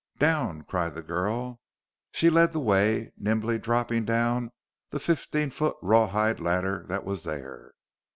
"Down!" cried the girl. She led the way, nimbly dropping down the fifteen foot rawhide ladder that was there.